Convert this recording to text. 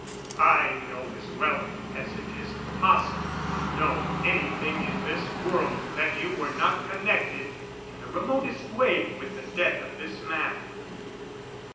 "I know as well as it is possible to know anything in this world that you were not connected in the remotest way with the death of this man."